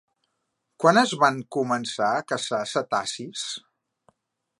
Quan es van començar a caçar cetacis?